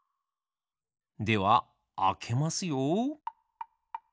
ではあけますよ。